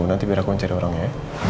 nanti biar aku yang cari orangnya